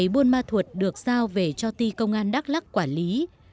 buôn ma thuột được giao về cho ti công an đắk lắc quản lý